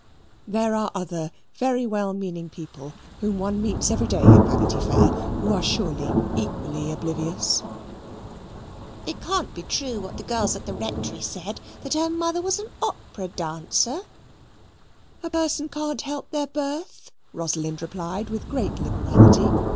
There are other very well meaning people whom one meets every day in Vanity Fair who are surely equally oblivious. "It can't be true what the girls at the Rectory said, that her mother was an opera dancer " "A person can't help their birth," Rosalind replied with great liberality.